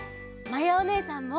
まやおねえさんも！